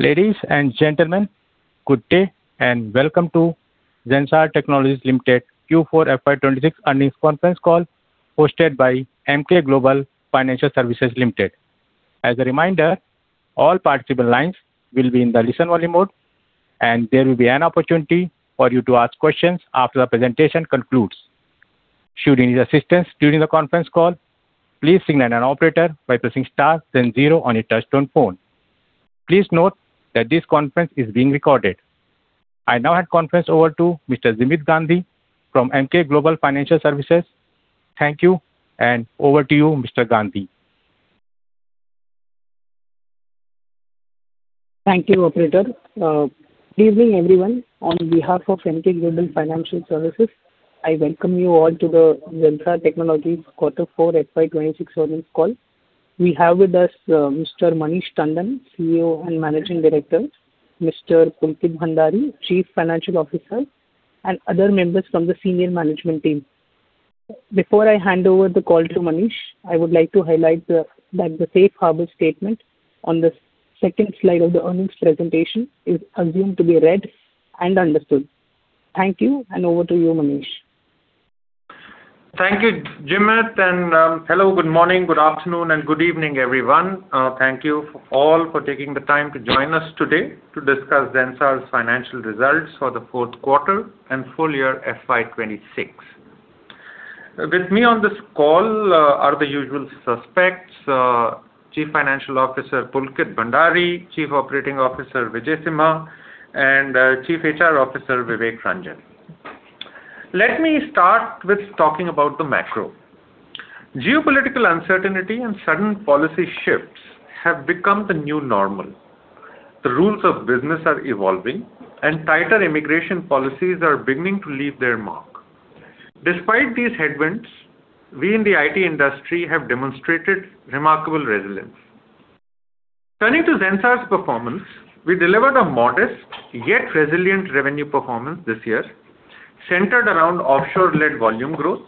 Ladies and gentlemen, good day and welcome to Zensar Technologies Limited Q4 FY 2026 earnings conference call hosted by Emkay Global Financial Services Limited. As a reminder, all participant lines will be in the listen-only mode, and there will be an opportunity for you to ask questions after the presentation concludes. Should you need assistance during the conference call, please signal an operator by pressing star then zero on your touch-tone phone. Please note that this conference is being recorded. I now hand conference over to Mr. Jimit Gandhi from Emkay Global Financial Services. Thank you, and over to you, Mr. Gandhi. Thank you, operator. Good evening, everyone. On behalf of Emkay Global Financial Services, I welcome you all to the Zensar Technologies quarter four FY 2026 earnings call. We have with us Mr. Manish Tandon, CEO and Managing Director, Mr. Pulkit Bhandari, Chief Financial Officer, and other members from the senior management team. Before I hand over the call to Manish, I would like to highlight that the safe harbor statement on the second slide of the earnings presentation is assumed to be read and understood. Thank you, and over to you, Manish. Thank you, Jimit, and hello, good morning, good afternoon, and good evening, everyone. Thank you all for taking the time to join us today to discuss Zensar's financial results for the fourth quarter and full year FY 2026. With me on this call are the usual suspects, Chief Financial Officer Pulkit Bhandari, Chief Operating Officer Vijaysimha, and Chief HR Officer Vivek Ranjan. Let me start with talking about the macro. Geopolitical uncertainty and sudden policy shifts have become the new normal. The rules of business are evolving, and tighter immigration policies are beginning to leave their mark. Despite these headwinds, we in the IT industry have demonstrated remarkable resilience. Turning to Zensar's performance, we delivered a modest yet resilient revenue performance this year, centered around offshore-led volume growth.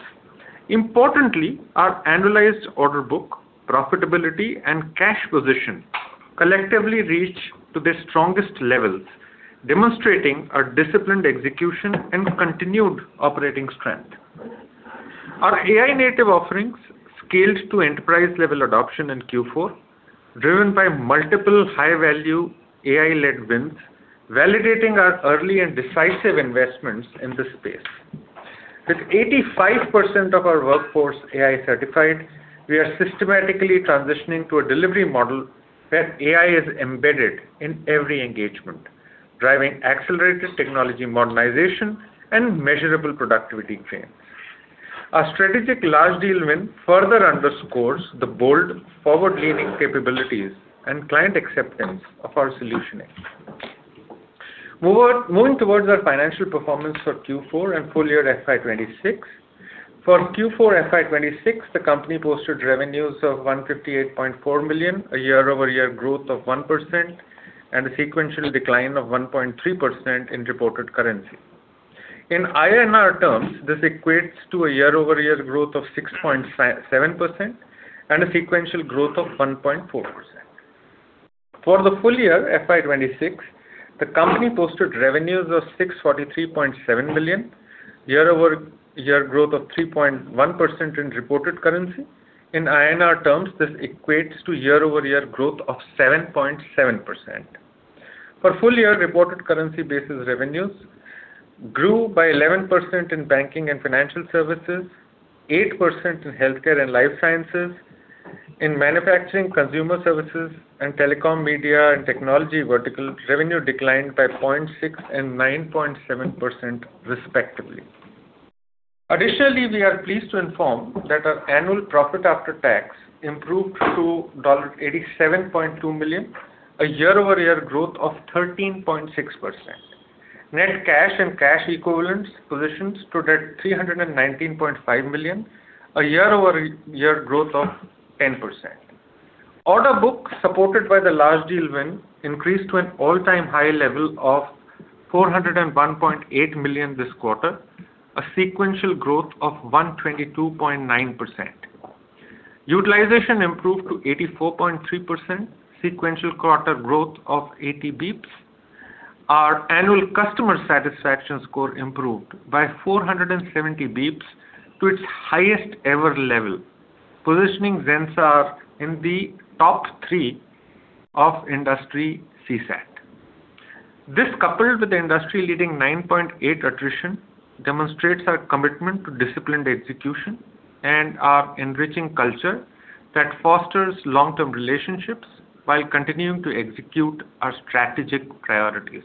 Importantly, our annualized order book, profitability, and cash position collectively reached to their strongest levels, demonstrating our disciplined execution and continued operating strength. Our AI-native offerings scaled to enterprise-level adoption in Q4, driven by multiple high-value AI-led wins, validating our early and decisive investments in this space. With 85% of our workforce AI-certified, we are systematically transitioning to a delivery model where AI is embedded in every engagement, driving accelerated technology modernization and measurable productivity gains. Our strategic large deal win further underscores the bold forward-leaning capabilities and client acceptance of our solutioning. Moving towards our financial performance for Q4 and full year FY 2026. For Q4 FY 2026, the company posted revenues of $158.4 million, a year-over-year growth of 1%, and a sequential decline of 1.3% in reported currency. In INR terms, this equates to a year-over-year growth of 6.7% and a sequential growth of 1.4%. For the full year FY 2026, the company posted revenues of $643.7 million, year-over-year growth of 3.1% in reported currency. In INR terms, this equates to year-over-year growth of 7.7%. For full year reported currency basis revenues grew by 11% in Banking & Financial Services, 8% in Healthcare and Life Sciences. In Manufacturing and Consumer Services and Telecom, Media, and Technology vertical, revenue declined by 0.6% and 9.7% respectively. Additionally, we are pleased to inform that our annual profit after tax improved to $87.2 million, a year-over-year growth of 13.6%. Net cash and cash equivalents positions stood at $319.5 million, a year-over-year growth of 10%. Order book supported by the large deal win increased to an all-time high level of $401.8 million this quarter, a sequential growth of 122.9%. Utilization improved to 84.3%, sequential quarter growth of 80 basis points. Our annual customer satisfaction score improved by 470 basis points to its highest ever level, positioning Zensar in the top three of industry CSAT. This, coupled with the industry-leading 9.8% attrition, demonstrates our commitment to disciplined execution and our enriching culture that fosters long-term relationships while continuing to execute our strategic priorities.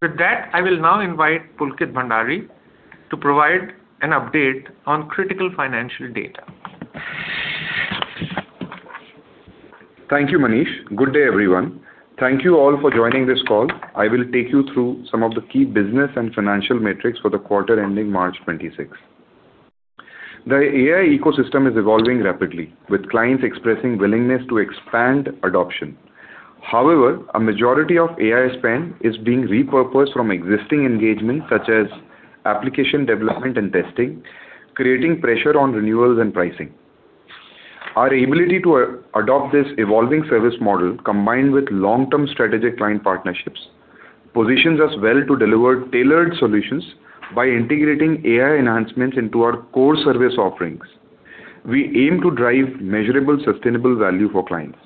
With that, I will now invite Pulkit Bhandari to provide an update on critical financial data. Thank you, Manish. Good day, everyone. Thank you all for joining this call. I will take you through some of the key business and financial metrics for the quarter ending March 2026. The AI ecosystem is evolving rapidly, with clients expressing willingness to expand adoption. However, a majority of AI spend is being repurposed from existing engagements such as application development and testing, creating pressure on renewals and pricing. Our ability to adopt this evolving service model, combined with long-term strategic client partnerships, positions us well to deliver tailored solutions by integrating AI enhancements into our core service offerings. We aim to drive measurable, sustainable value for clients.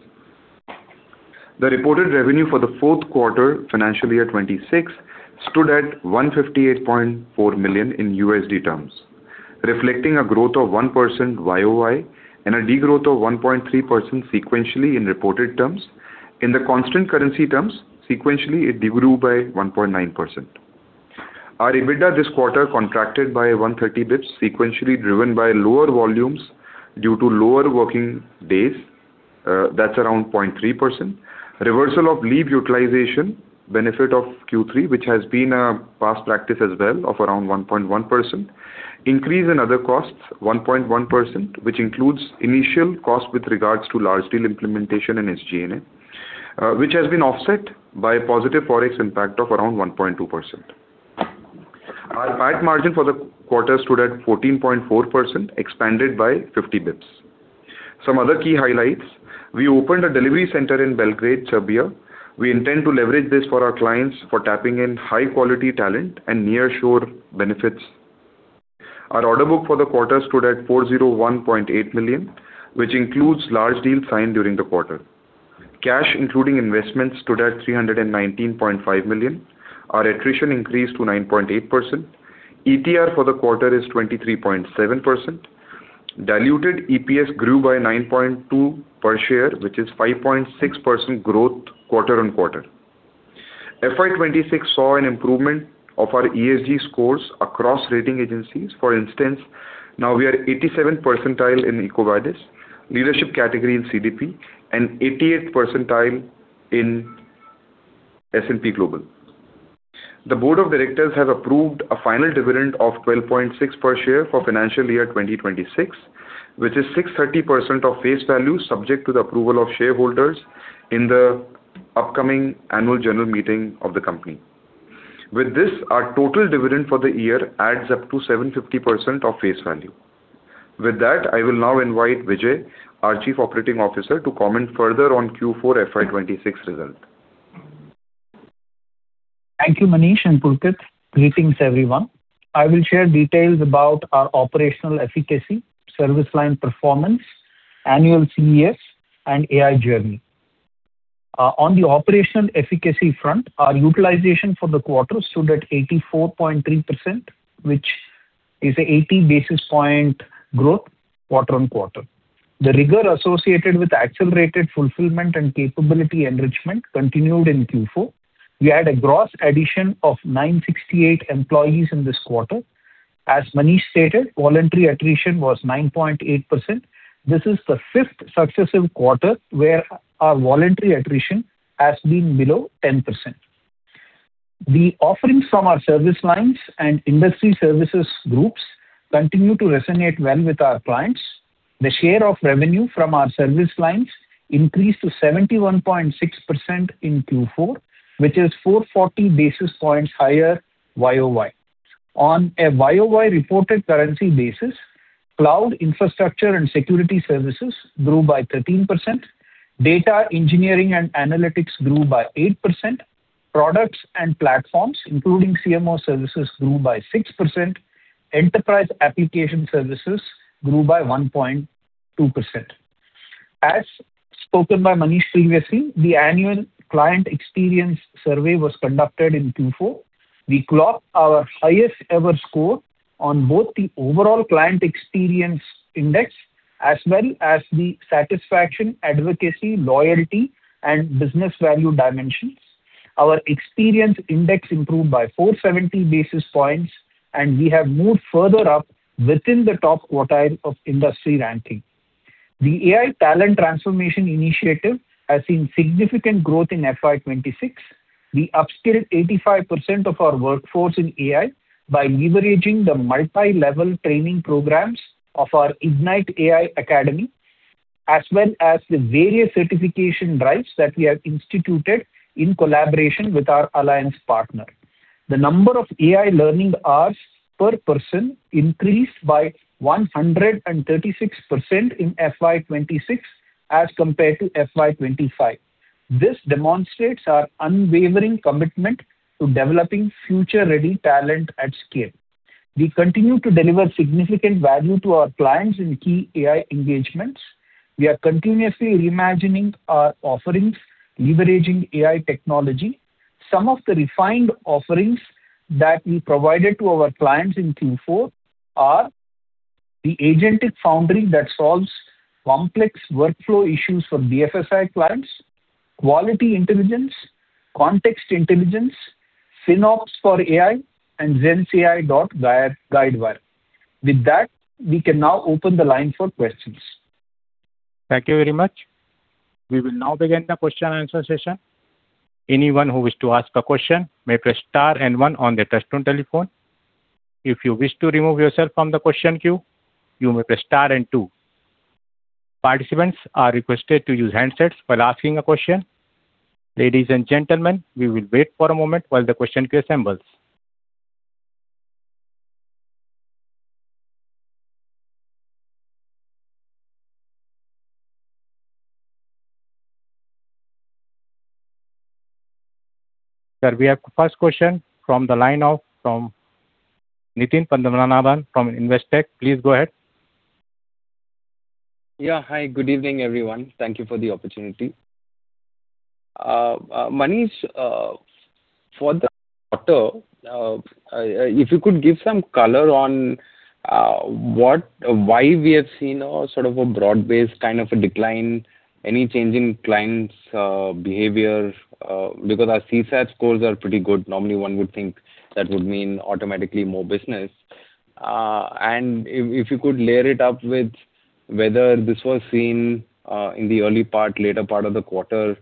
The reported revenue for the fourth quarter, financial year 2026, stood at $158.4 million, reflecting a growth of 1% YoY and a degrowth of 1.3% sequentially in reported terms. In the constant currency terms, sequentially, it degrew by 1.9%. Our EBITDA this quarter contracted by 130 basis points, sequentially driven by lower volumes due to lower working days. That's around 0.3%. Reversal of leave utilization, benefit of Q3, which has been a past practice as well of around 1.1%. Increase in other costs 1.1%, which includes initial costs with regards to large deal implementation and SG&A, which has been offset by a positive Forex impact of around 1.2%. Our PAT margin for the quarter stood at 14.4%, expanded by 50 basis points. Some other key highlights. We opened a delivery center in Belgrade, Serbia. We intend to leverage this for our clients for tapping in high quality talent and nearshore benefits. Our order book for the quarter stood at $401.8 million, which includes large deals signed during the quarter. Cash, including investments, stood at $319.5 million. Our attrition increased to 9.8%. ETR for the quarter is 23.7%. Diluted EPS grew by $9.2 per share, which is 5.6% growth quarter-on-quarter. FY 2026 saw an improvement of our ESG scores across rating agencies. For instance, now we are 87th percentile in EcoVadis, leadership category in CDP, and 80th percentile in S&P Global. The Board of Directors has approved a final dividend of $12.6 per share for financial year 2026, which is 630% of face value, subject to the approval of shareholders in the upcoming annual general meeting of the company. With this, our total dividend for the year adds up to 750% of face value. With that, I will now invite Vijay, our Chief Operating Officer, to comment further on Q4 FY 2026 result. Thank you, Manish and Pulkit. Greetings, everyone. I will share details about our operational efficacy, service line performance, annual CES, and AI journey. On the operational efficacy front, our utilization for the quarter stood at 84.3%, which is an 80 basis points growth quarter-on-quarter. The rigor associated with accelerated fulfillment and capability enrichment continued in Q4. We had a gross addition of 968 employees in this quarter. As Manish stated, voluntary attrition was 9.8%. This is the fifth successive quarter where our voluntary attrition has been below 10%. The offerings from our service lines and industry services groups continue to resonate well with our clients. The share of revenue from our service lines increased to 71.6% in Q4, which is 440 basis points higher YoY. On a YoY reported currency basis, Cloud, Infrastructure, and Security services grew by 13%. Data Engineering and Analytics grew by 8%. Products and Platforms, including CMO services, grew by 6%. Enterprise Application Services grew by 1.2%. As spoken by Manish previously, the annual client experience survey was conducted in Q4. We clocked our highest ever score on both the overall client experience index as well as the satisfaction, advocacy, loyalty, and business value dimensions. Our experience index improved by 470 basis points, and we have moved further up within the top quartile of industry ranking. The AI talent transformation initiative has seen significant growth in FY 2026. We upskilled 85% of our workforce in AI by leveraging the multi-level training programs of our Ignite AI Academy, as well as the various certification drives that we have instituted in collaboration with our alliance partner. The number of AI learning hours per person increased by 136% in FY 2026 as compared to FY 2025. This demonstrates our unwavering commitment to developing future-ready talent at scale. We continue to deliver significant value to our clients in key AI engagements. We are continuously reimagining our offerings, leveraging AI technology. Some of the refined offerings that we provided to our clients in Q4 are the Agentic Foundry that solves complex workflow issues for BFSI clients, Quality Intelligence, Context Intelligence, SynOps for AI, and ZenCAI for Guidewire. With that, we can now open the line for questions. Thank you very much. We will now begin the question-and-answer session. Anyone who wish to ask a question, may press star and one on the touch-tone telephone. If you wish to remove yourself from the question queue, you may press star and two. Participants are requested to use a handset while asking a question. Ladies and gentlemen we will wait for a moment while the question queue assembles. And we have first question from the line of Nitin Padmanabhan from Investec. Please go ahead. Yeah. Hi, good evening, everyone. Thank you for the opportunity. Manish, for the quarter, if you could give some color on why we have seen a sort of a broad-based kind of a decline, any change in clients' behavior, because our CSAT scores are pretty good. Normally, one would think that would mean automatically more business. If you could layer it up with whether this was seen, in the early part, later part of the quarter,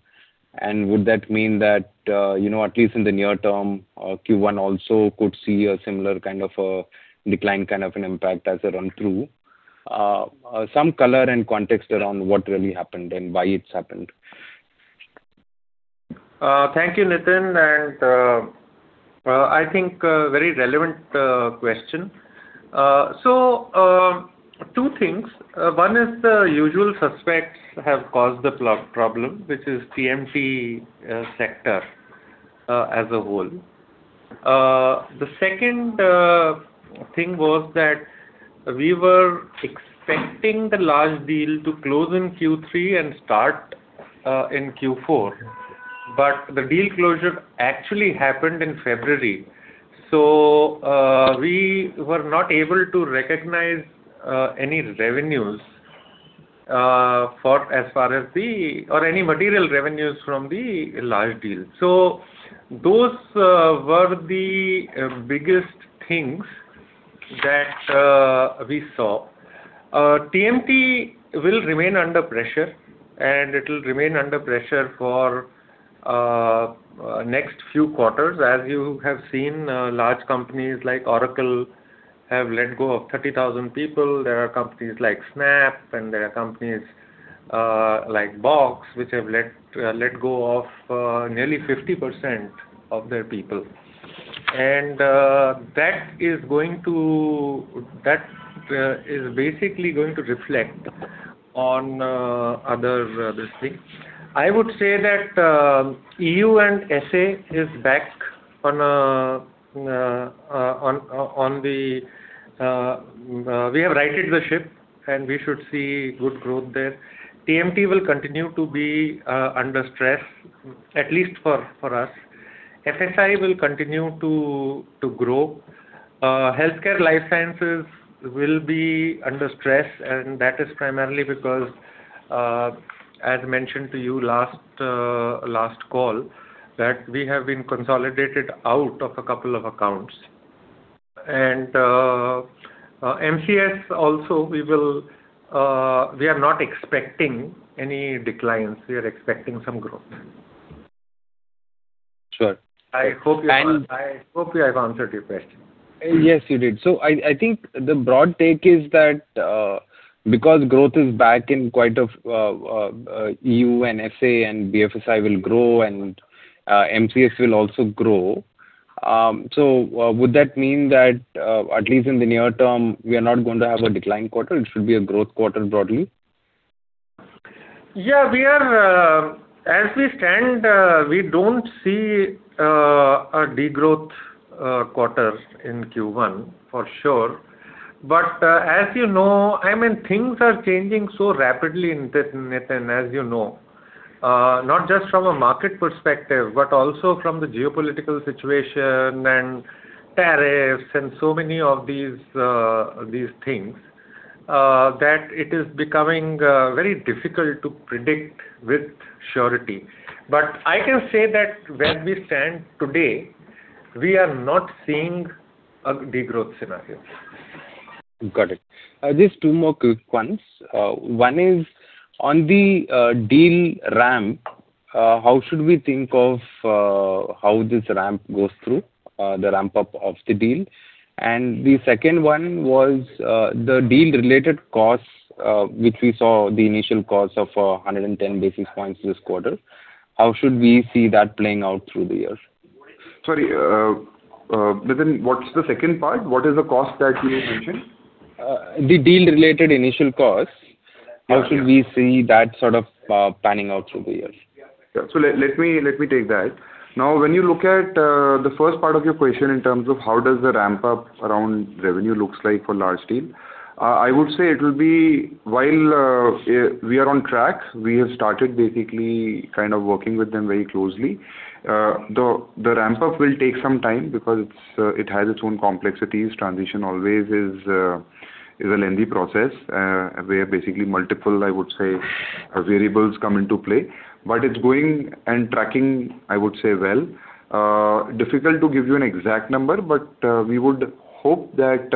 and would that mean that, at least in the near term, Q1 also could see a similar kind of a decline, kind of an impact as a run-through. Some color and context around what really happened and why it's happened. Thank you, Nitin, and I think it's a very relevant question. Two things. One is the usual suspects have caused the problem, which is TMT sector as a whole. The second thing was that we were expecting the large deal to close in Q3 and start in Q4. The deal closure actually happened in February, so we were not able to recognize any revenues or any material revenues from the large deal. Those were the biggest things that we saw. TMT will remain under pressure, and it'll remain under pressure for next few quarters. As you have seen, large companies like Oracle have let go of 30,000 people. There are companies like Snap, and there are companies like Box, which have let go of nearly 50% of their people. That is basically going to reflect on other things. I would say that EU and S.A. is back. We have righted the ship and we should see good growth there. TMT will continue to be under stress, at least for us. FSI will continue to grow. Healthcare Life Sciences will be under stress, and that is primarily because, as mentioned to you last call, that we have been consolidated out of a couple of accounts. MCS also, we are not expecting any declines, we are expecting some growth. Sure. I hope I've answered your question. Yes, you did. I think the broad take is that because growth is back in quite of EU and S.A. and BFSI will grow and MCS will also grow. Would that mean that, at least in the near term, we are not going to have a decline quarter, it should be a growth quarter broadly? Yeah. As we stand, we don't see a de-growth quarter in Q1 for sure. As you know, things are changing so rapidly in tech, Nitin, as you know. Not just from a market perspective, but also from the geopolitical situation and tariffs and so many of these things, that it is becoming very difficult to predict with surety. I can say that where we stand today, we are not seeing a de-growth scenario. Got it. Just two more quick ones. One is on the deal ramp. How should we think of how this ramp goes through, the ramp-up of the deal? The second one was the deal-related costs, which we saw the initial costs of 110 basis points this quarter. How should we see that playing out through the year? Sorry, Nitin, what's the second part? What is the cost that you mentioned? The deal-related initial costs. Okay. How should we see that sort of panning out through the year? Yeah. Let me take that. Now, when you look at the first part of your question in terms of how does the ramp-up around revenue looks like for large deal, I would say it will be while we are on track, we have started basically kind of working with them very closely. The ramp-up will take some time because it has its own complexities. Transition always is a lengthy process, where basically multiple, I would say, variables come into play. It's going and tracking, I would say well. Difficult to give you an exact number, but we would hope that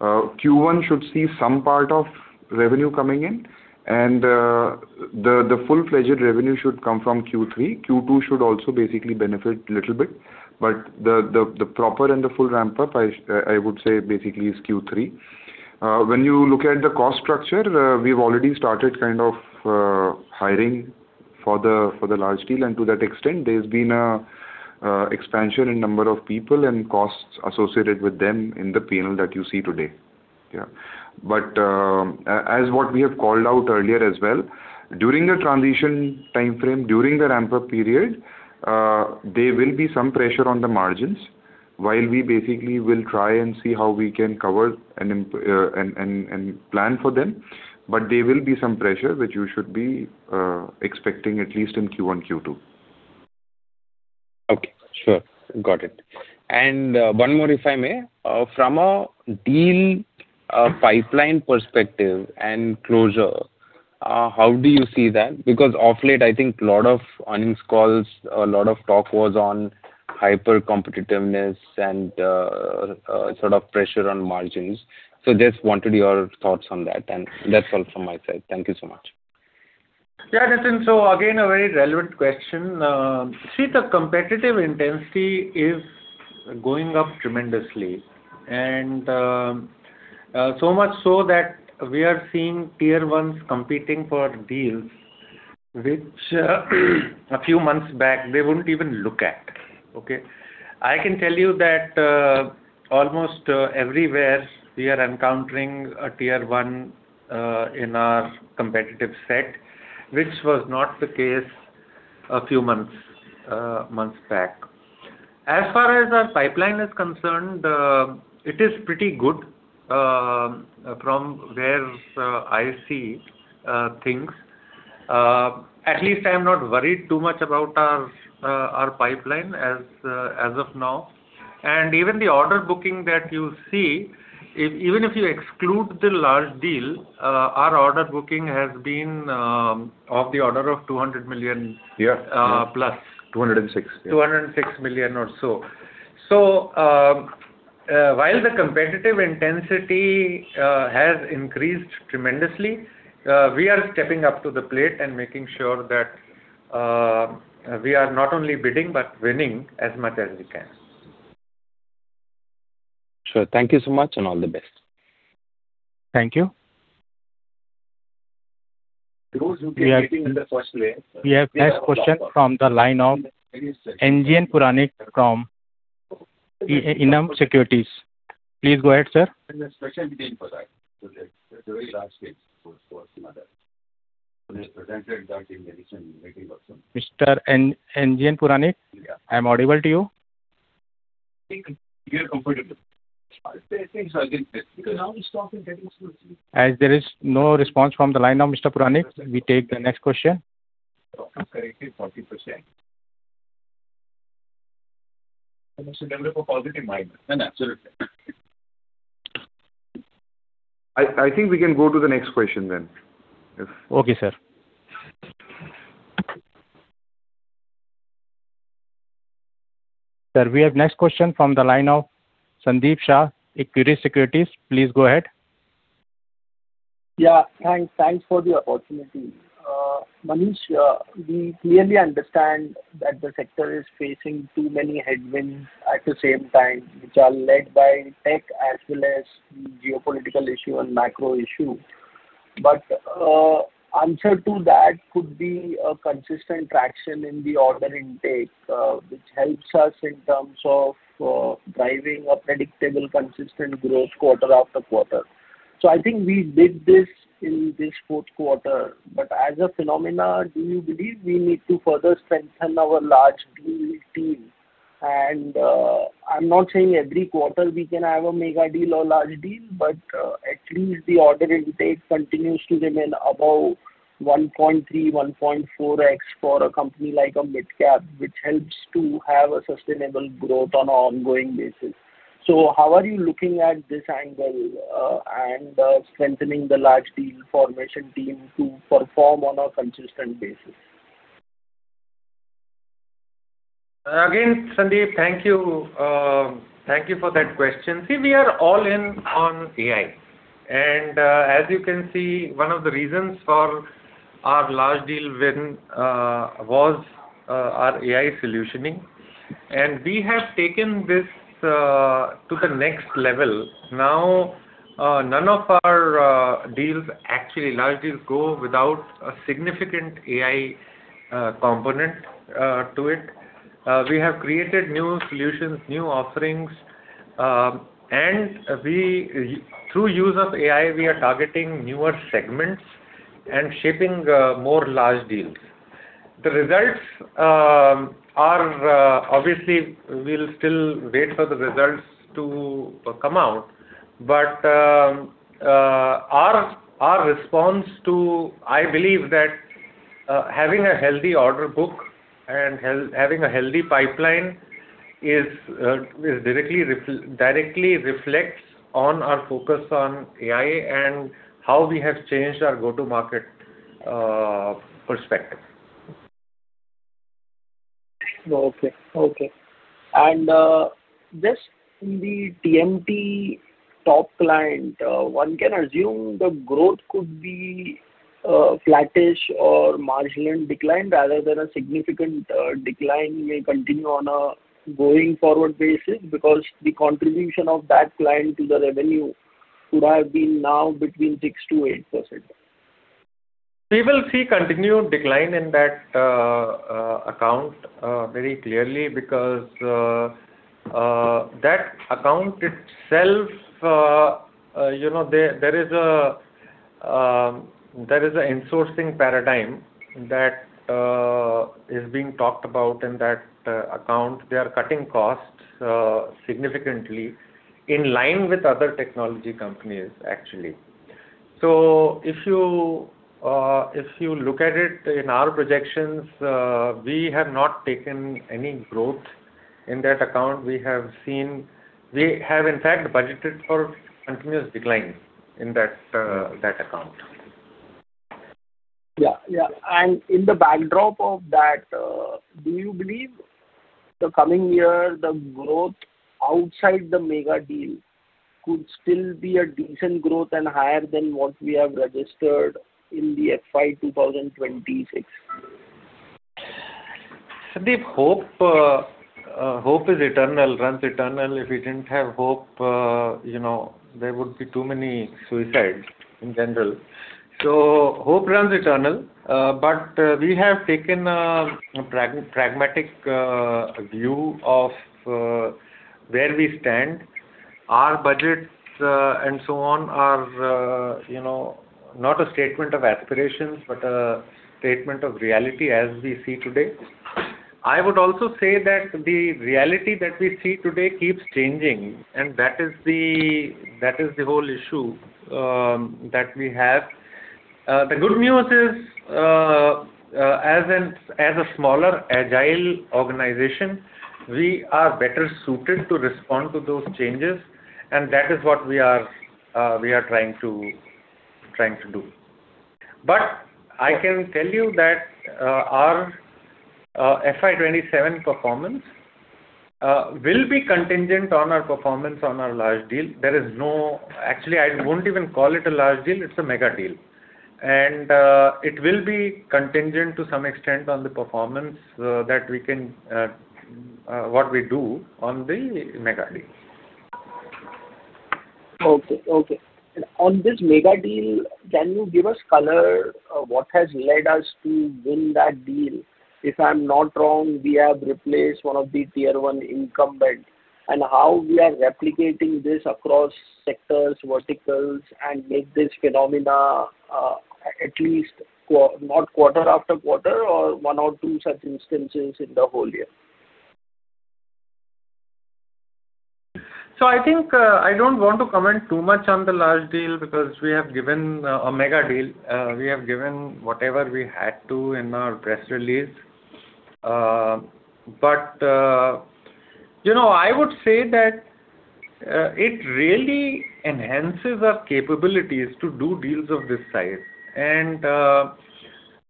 Q1 should see some part of revenue coming in and the full-fledged revenue should come from Q3. Q2 should also basically benefit little bit. The proper and the full ramp-up I would say basically is Q3. When you look at the cost structure, we've already started kind of hiring for the large deal. To that extent, there's been expansion in number of people and costs associated with them in the P&L that you see today. As what we have called out earlier as well, during the transition timeframe, during the ramp-up period, there will be some pressure on the margins while we basically will try and see how we can cover and plan for them. There will be some pressure, which you should be expecting at least in Q1, Q2. Okay, sure. Got it. One more, if I may. From a deal pipeline perspective and closure, how do you see that? Because of late, I think a lot of earnings calls, a lot of talk was on hyper-competitiveness and pressure on margins. Just wanted your thoughts on that. That's all from my side. Thank you so much. Yeah, listen. Again, a very relevant question. See, the competitive intensity is going up tremendously, and so much so that we are seeing tier ones competing for deals, which a few months back they wouldn't even look at. Okay. I can tell you that almost everywhere we are encountering a Tier 1 in our competitive set, which was not the case a few months back. As far as our pipeline is concerned, it is pretty good from where I see things. At least I'm not worried too much about our pipeline as of now. Even the order booking that you see, even if you exclude the large deal, our order booking has been off the order of $200 million+ $206 million. $206 million or so. While the competitive intensity has increased tremendously, we are stepping up to the plate and making sure that we are not only bidding, but winning as much as we can. Sure. Thank you so much, and all the best. Thank you. Those who came getting in the first way. We have next question from the line of NGN Puranik from Enam Securities. Please go ahead, sir. A special meeting for that. That's a very large case for some of that. We presented that in the recent meeting also. Mr. NGN Puranik, am I audible to you? We are comfortable. I think so. Because now we stop getting. As there is no response from the line of Mr. Puranik, we take the next question. Correctly 40%. Also remember for positive mind. Absolutely. I think we can go to the next question then. Okay, sir. Sir, we have next question from the line of Sandeep Shah, Equirus Securities. Please go ahead. Yeah. Thanks for the opportunity. Manish, we clearly understand that the sector is facing too many headwinds at the same time, which are led by tech as well as geopolitical issues and macro issues. Answer to that could be a consistent traction in the order intake, which helps us in terms of driving a predictable, consistent growth quarter-after-quarter. I think we did this in this fourth quarter. As a phenomenon, do you believe we need to further strengthen our large deal team? I'm not saying every quarter we can have a mega deal or large deal, but at least the order intake continues to remain above 1.3x-1.4x for a company like a midcap, which helps to have a sustainable growth on an ongoing basis. How are you looking at this angle and strengthening the large deal formation team to perform on a consistent basis? Again, Sandeep, thank you. Thank you for that question. See, we are all in on AI. As you can see, one of the reasons for our large deal win was our AI solutioning. We have taken this to the next level. Now none of our deals, actually large deals, go without a significant AI component to it. We have created new solutions, new offerings, and through use of AI, we are targeting newer segments and shaping more large deals. The results are obviously. We'll still wait for the results to come out. Our response to, I believe, that having a healthy order book and having a healthy pipeline directly reflects on our focus on AI and how we have changed our go-to market perspective. Okay. Just in the TMT top client, one can assume the growth could be flattish or marginal decline rather than a significant decline. It may continue on a going forward basis because the contribution of that client to the revenue could have been now between 6%-8%. We will see continued decline in that account very clearly because that account itself, there is an insourcing paradigm that is being talked about in that account. They are cutting costs significantly in line with other technology companies, actually. If you look at it in our projections, we have not taken any growth in that account. We have, in fact, budgeted for continuous decline in that account. Yeah. In the backdrop of that, do you believe the coming year, the growth outside the mega deal could still be a decent growth and higher than what we have registered in the FY 2026? Sandeep, hope is eternal, runs eternal. If we didn't have hope, there would be too many suicides in general. Hope runs eternal. We have taken a pragmatic view of where we stand. Our budgets and so on are not a statement of aspirations, but a statement of reality as we see today. I would also say that the reality that we see today keeps changing, and that is the whole issue that we have. The good news is, as a smaller, agile organization, we are better suited to respond to those changes, and that is what we are trying to do. I can tell you that our FY 2027 performance will be contingent on our performance on our large deal. Actually, I won't even call it a large deal, it's a mega deal. It will be contingent to some extent on the performance, what we do on the mega deal. Okay. On this mega deal, can you give us color on what has led us to win that deal? If I'm not wrong, we have replaced one of the Tier1 incumbents. How we are replicating this across sectors, verticals, and make this phenomena at least not quarter-after-quarter or one or two such instances in the whole year. I think I don't want to comment too much on the large deal because we have given a mega deal. We have given whatever we had to in our press release. I would say that it really enhances our capabilities to do deals of this size.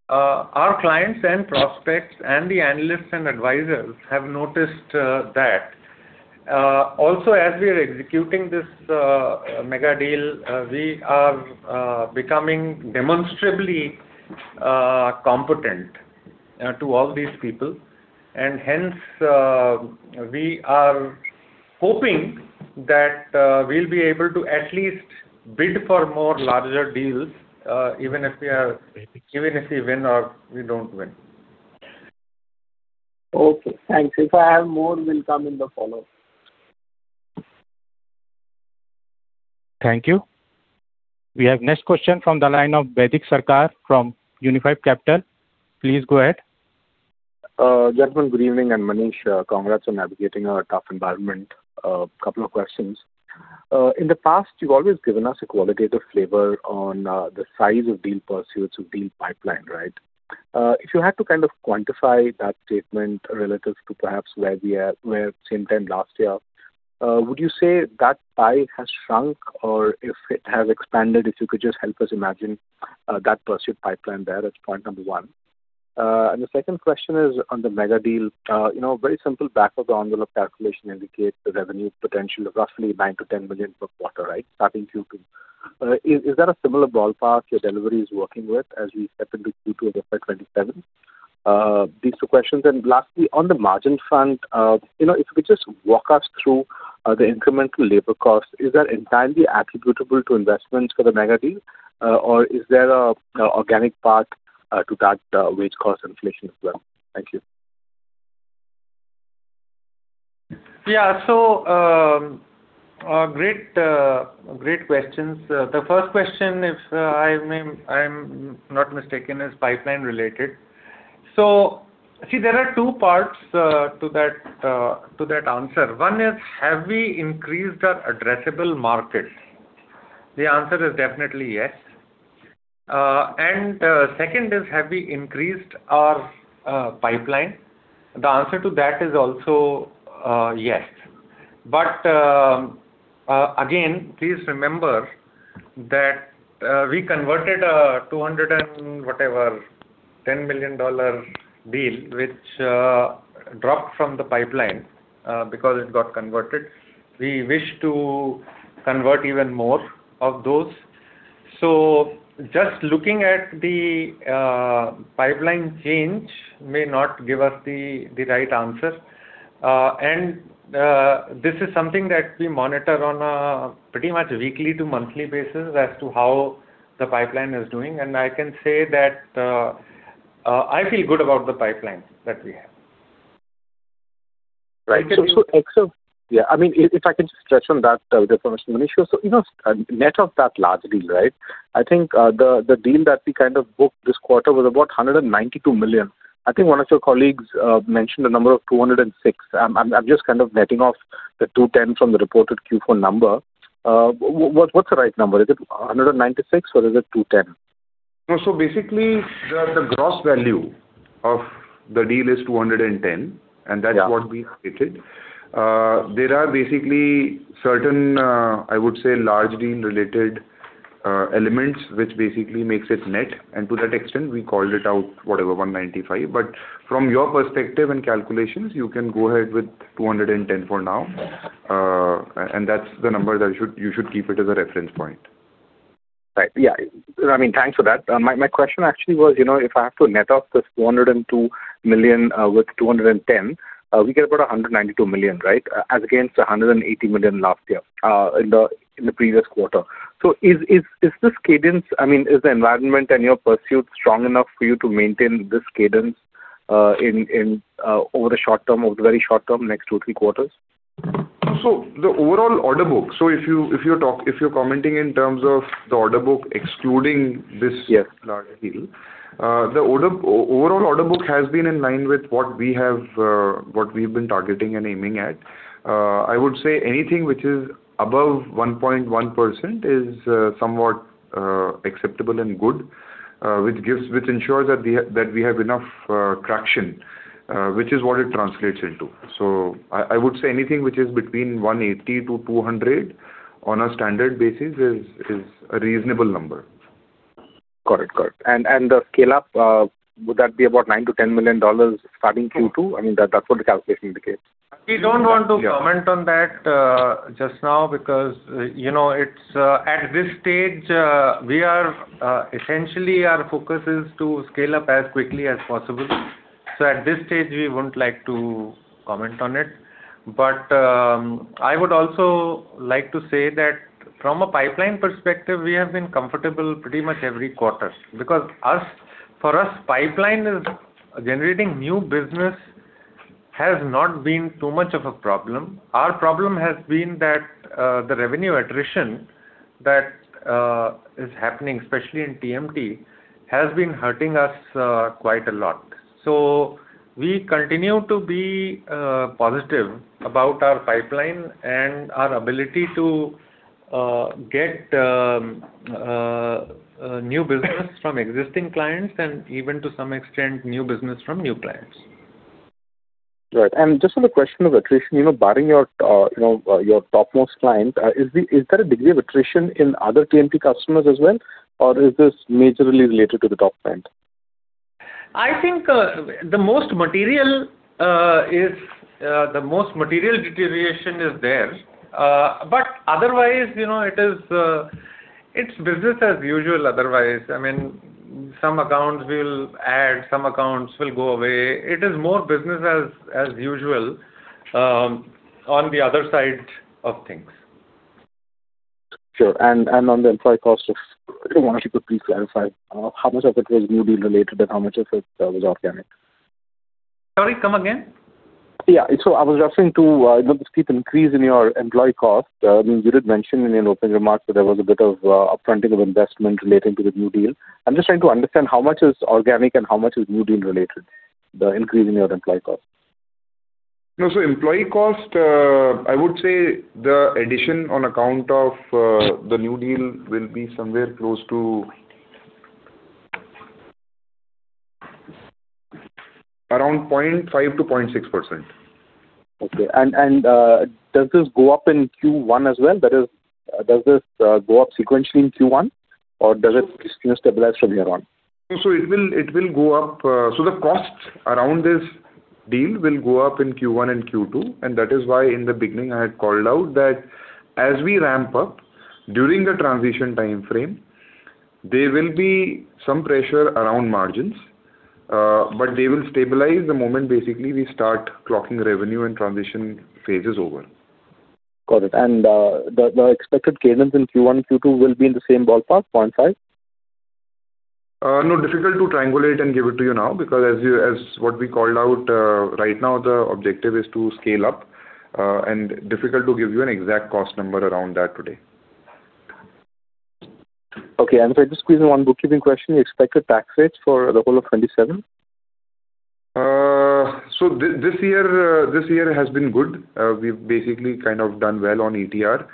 Our clients and prospects and the analysts and advisors have noticed that. Also, as we are executing this mega deal, we are becoming demonstrably competent to all these people. Hence, we are hoping that we'll be able to at least bid for more larger deals, even if we win or we don't win. Okay, thanks. If I have more, I will come in the follow-up. Thank you. We have next question from the line of Baidik Sarkar from Unifi Capital. Please go ahead. Gentlemen, good evening. Manish, congrats on navigating a tough environment. A couple of questions. In the past, you've always given us a qualitative flavor on the size of deal pursuits or deal pipeline, right? If you had to kind of quantify that statement relative to perhaps where we were the same time last year. Would you say that pie has shrunk or if it has expanded, if you could just help us imagine that pursuit pipeline there. That's point number one. The second question is on the mega deal. Very simple back-of-the-envelope calculation indicates the revenue potential of roughly 9 million-10 million per quarter, right? Starting Q2. Is that a similar ballpark your delivery is working with as we step into Q2 of FY 2027? These two questions. Lastly, on the margin front, if you could just walk us through the incremental labor cost. Is that entirely attributable to investments for the mega deal, or is there an organic part to that wage cost inflation as well? Thank you. Yeah. Great questions. The first question, if I'm not mistaken, is pipeline related. See, there are two parts to that answer. One is, have we increased our addressable markets? The answer is definitely yes. Second is, have we increased our pipeline? The answer to that is also yes. Again, please remember that we converted a $200 million and whatever $10 million deal, which dropped from the pipeline because it got converted. We wish to convert even more of those. Just looking at the pipeline change may not give us the right answer. This is something that we monitor on a pretty much weekly to monthly basis as to how the pipeline is doing. I can say that I feel good about the pipeline that we have. Right. I mean, if I can just touch on that with reference to Manish. Net of that large deal, I think the deal that we booked this quarter was about $192 million. I think one of your colleagues mentioned the number of $206 million. I'm just netting off the $210 million from the reported Q4 number. What's the right number? Is it $196 million or $210 million? No. Basically, the gross value of the deal is $210 million, and that's what we stated. There are basically certain, I would say, large deal-related elements, which basically makes it net. To that extent, we called it out, whatever, $195 million. From your perspective and calculations, you can go ahead with $210 million for now. That's the number that you should keep it as a reference point. Right. Yeah. I mean, thanks for that. My question actually was if I have to net off this $202 million with $210 million, we get about $192 million as against $180 million last year in the previous quarter. Is this cadence, I mean, is the environment and your pursuit strong enough for you to maintain this cadence over the short term, over the very short term, next two, three quarters? The overall order book. If you're commenting in terms of the order book excluding this- Yes ...larger deal. The overall order book has been in line with what we've been targeting and aiming at. I would say anything which is above 1.1% is somewhat acceptable and good, which ensures that we have enough traction, which is what it translates into. I would say anything which is between $180 million-$200 million on a standard basis is a reasonable number. Correct. The scale up, would that be about $9 million-$10 million starting Q2? I mean, that's what the calculation indicates. We don't want to comment on that just now because at this stage, essentially our focus is to scale up as quickly as possible. At this stage, we wouldn't like to comment on it. I would also like to say that from a pipeline perspective, we have been comfortable pretty much every quarter. Because for us, pipeline is generating new business has not been too much of a problem. Our problem has been that the revenue attrition that is happening, especially in TMT, has been hurting us quite a lot. We continue to be positive about our pipeline and our ability to get new business from existing clients and even, to some extent, new business from new clients. Right. Just on the question of attrition, barring your topmost client, is there a degree of attrition in other TMT customers as well, or is this majorly related to the top client? I think the most material deterioration is there. Otherwise, it's business as usual otherwise. I mean, some accounts we'll add, some accounts will go away. It is more business as usual on the other side of things. Sure. On the employee costs, if you could please clarify how much of it was new deal related and how much of it was organic? Sorry, come again. Yeah. I was referring to the steep increase in your employee cost. I mean, you did mention in your opening remarks that there was a bit of upfronting of investment relating to the new deal. I'm just trying to understand how much is organic and how much is new deal related, the increase in your employee cost. No. Employee cost, I would say the addition on account of the new deal will be somewhere close to around 0.5%-0.6%. Okay. Does this go up in Q1 as well? That is, does this go up sequentially in Q1, or does it stabilize from here on? It will go up. The costs around this deal will go up in Q1 and Q2, and that is why in the beginning, I had called out that as we ramp up during the transition time frame, there will be some pressure around margins. They will stabilize the moment basically we start clocking revenue and transition phase is over. Got it. The expected cadence in Q1 and Q2 will be in the same ballpark, 0.5%? No. Difficult to triangulate and give it to you now because as what we called out, right now the objective is to scale up, and difficult to give you an exact cost number around that today. Okay. If I just squeeze in one bookkeeping question, expected tax rates for the whole of 2027? This year has been good. We've basically done well on ETR.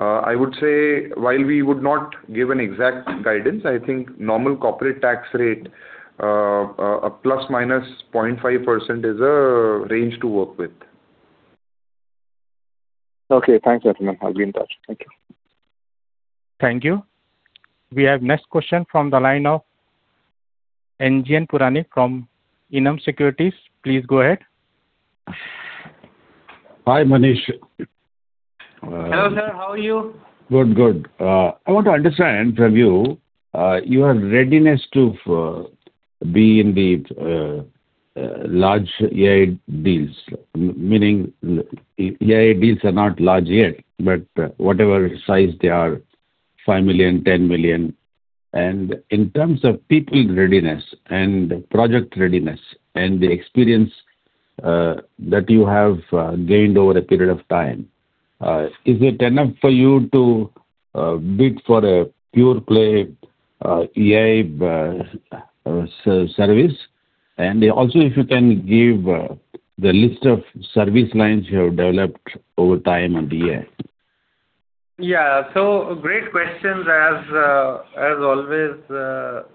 I would say, while we would not give an exact guidance, I think normal corporate tax rate, a ±0.5%, is a range to work with. Okay. Thanks, gentlemen. I'll be in touch. Thank you. Thank you. We have next question from the line of NGN Puranik from Enam Securities. Please go ahead. Hi, Manish. Hello, sir. How are you? Good. I want to understand from you, your readiness to be in the large AI deals. Meaning, AI deals are not large yet, but whatever size they are, 5 million, 10 million. In terms of people readiness and project readiness and the experience that you have gained over a period of time, is it enough for you to bid for a pure-play AI service? Also, if you can give the list of service lines you have developed over time on AI. Yeah. Great questions as always, sir.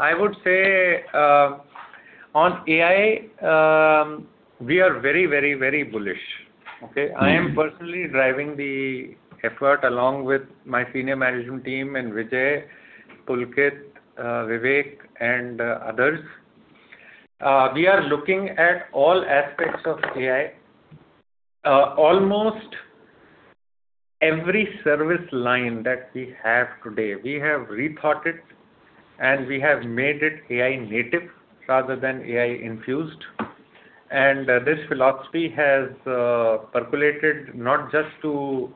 I would say, on AI, we are very bullish, okay? I am personally driving the effort along with my senior management team and Vijay, Pulkit, Vivek, and others. We are looking at all aspects of AI. Almost every service line that we have today, we have rethought it, and we have made it AI-native rather than AI-infused. This philosophy has percolated not just to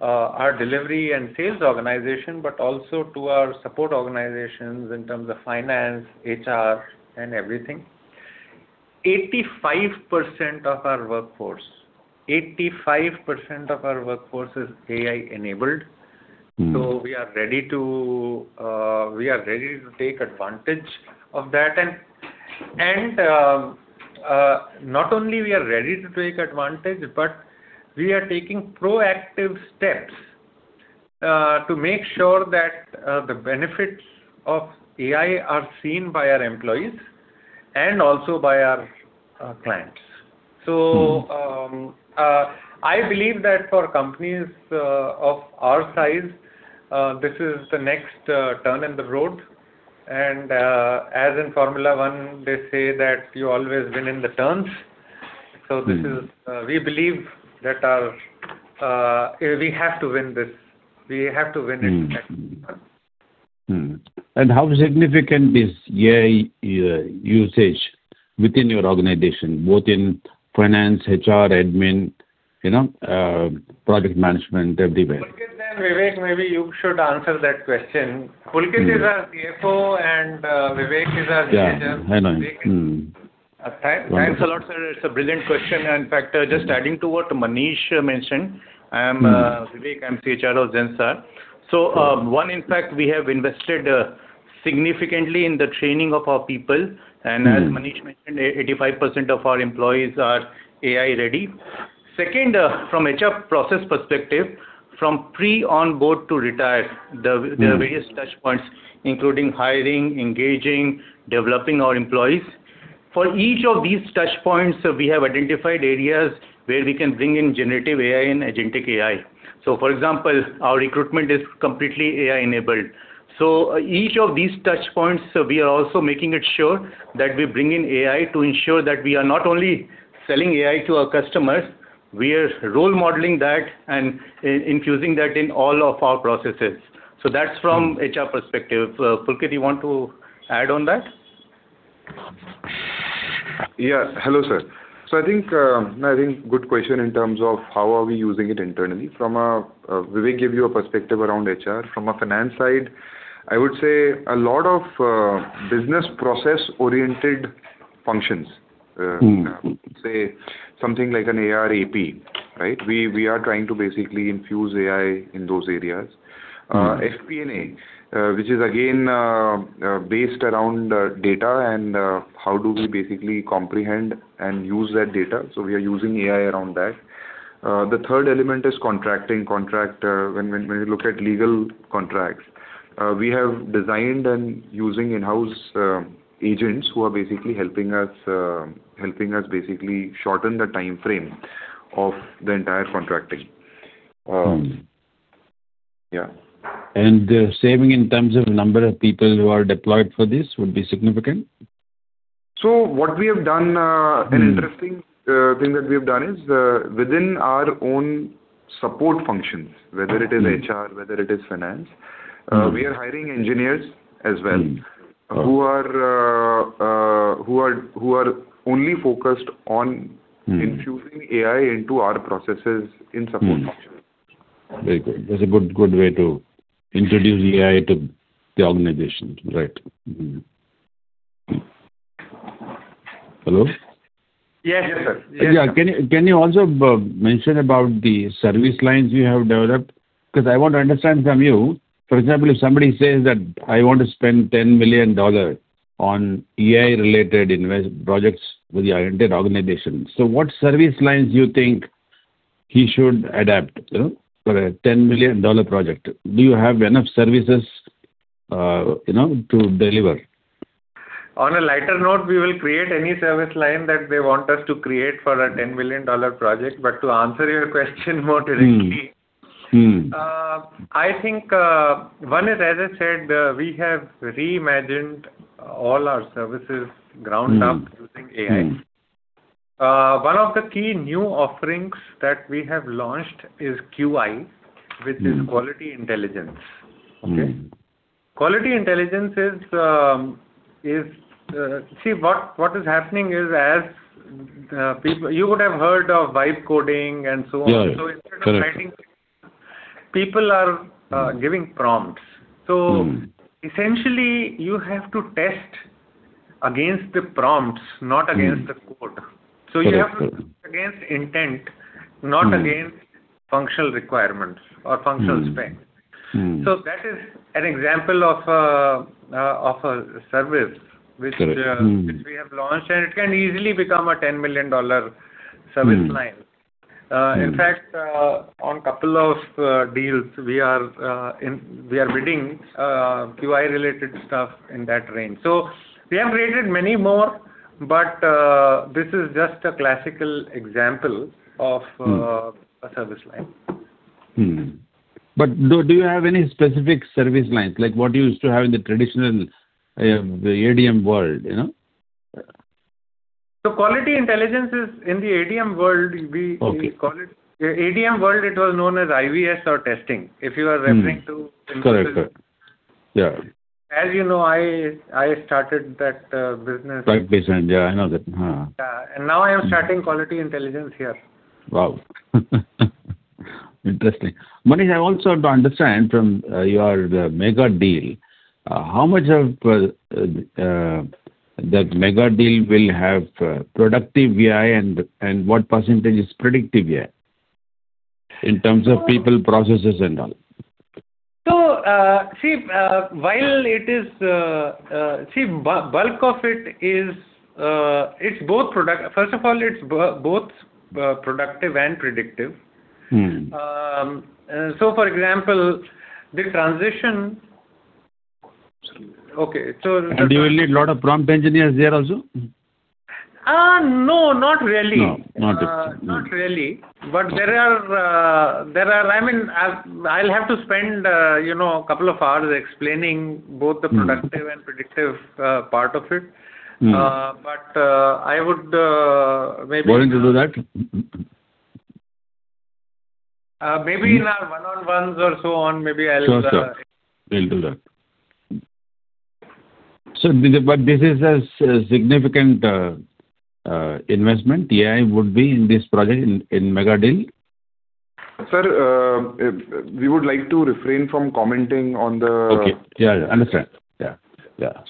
our delivery and sales organization, but also to our support organizations in terms of finance, HR, and everything. 85% of our workforce is AI-enabled. Mm-hmm. We are ready to take advantage of that. Not only we are ready to take advantage, but we are taking proactive steps to make sure that the benefits of AI are seen by our employees and also by our clients. Mm-hmm. I believe that for companies of our size, this is the next turn in the road. As in Formula 1, they say that you always win in the turns. This is- Mm-hmm. We have to win this. We have to win it the next turn. How significant is AI usage within your organization, both in finance, HR, admin, project management, everywhere? Pulkit and Vivek, maybe you should answer that question. Pulkit is our CFO and Vivek is our CHRO. Yeah. I know him. Mm-hmm. Thanks a lot, sir. It's a brilliant question. In fact, just adding to what Manish mentioned. I'm Vivek. I'm CHRO of Zensar. One impact, we have invested significantly in the training of our people. Mm-hmm. As Manish mentioned, 85% of our employees are AI ready. Second, from HR process perspective, from pre-onboard to retire, there are various touchpoints, including hiring, engaging, developing our employees. For each of these touchpoints, we have identified areas where we can bring in generative AI and agentic AI. For example, our recruitment is completely AI-enabled. Each of these touchpoints, we are also making it sure that we bring in AI to ensure that we are not only selling AI to our customers, we are role-modeling that and infusing that in all of our processes. That's from HR perspective. Pulkit, you want to add on that? Yeah. Hello, sir. I think it's a good question in terms of how are we using it internally. Vivek gave you a perspective around HR. From a finance side, I would say a lot of business process-oriented functions. Mm-hmm. Say something like an AR/AP. We are trying to basically infuse AI in those areas. Mm-hmm. FP&A, which is again based around data and how do we basically comprehend and use that data. We are using AI around that. The third element is contracting. Contract, when we look at legal contracts. We have designed and using in-house agents who are basically helping us shorten the timeframe of the entire contracting. Mm-hmm. Yeah. The saving in terms of number of people who are deployed for this would be significant? What we have done, an interesting thing that we have done is, within our own support functions, whether it is HR, whether it is finance. We are hiring engineers as well. Mm-hmm. Who are only focused on infusing AI into our processes in support functions. Very good. That's a good way to introduce AI to the organization. Right. Hello? Yes, sir. Yeah. Can you also mention about the service lines you have developed? Because I want to understand from you, for example, if somebody says that I want to spend $10 million on AI-related projects with your entire organization. What service lines do you think he should adopt for a $10 million project? Do you have enough services to deliver? On a lighter note, we will create any service line that they want us to create for a $10 million project. To answer your question more directly. Mm-hmm. I think one is, as I said, we have reimagined all our services ground up using AI. Mm-hmm. One of the key new offerings that we have launched is QI. Mm-hmm. Which is Quality Intelligence. Okay? Mm-hmm. Quality Intelligence is. See, what is happening is, you would have heard of vibe coding and so on. Yeah. Correct. Instead of writing, people are giving prompts. Mm-hmm. Essentially, you have to test against the prompts, not against the code. Correct. You have to test against intent. Mm-hmm Not against functional requirements or functional specs. Mm-hmm. That is an example of a service. Correct. Mm-hmm... which we have launched, and it can easily become a $10 million service line. Mm-hmm. In fact, on a couple of deals, we are bidding QI related stuff in that range. We have created many more, but this is just a classic example of a service line. Do you have any specific service lines, like what you used to have in the traditional ADM world? Quality Intelligence is in the ADM world. Okay. Call it. In ADM world, it was known as IVS or testing. If you are referring to Correct. Yeah. As you know, I started that business. Pipe design. Yeah, I know that. Yeah. Now I am starting Quality Intelligence here. Wow. Interesting. Manish, I also have to understand from your mega deal, how much of that mega deal will have generative AI and what percentage is predictive AI, in terms of people, processes, and all? First of all, it's both productive and predictive. Mm-hmm. For example, the transition. You will need a lot of prompt engineers there also? No, not really. No, not really. Not really. There are, I mean, I'll have to spend a couple of hours explaining both the productive and predictive part of it. Mm-hmm. I would maybe. Willing to do that? Maybe in our one-on-ones or so on, maybe I'll. Sure. We'll do that. Is this a significant investment in AI? Would it be in this project in a mega deal? Sir, we would like to refrain from commenting on- Okay. Yeah, understand.